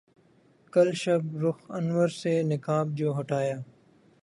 کل شب رخ انور سے نقاب جو ہٹایا